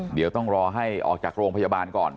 เดี๋ยวต้องรอให้ออกจากโรงพยาบาลก่อน